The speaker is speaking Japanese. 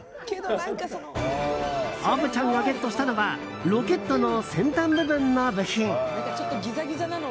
虻ちゃんがゲットしたのはロケットの先端部分の部品。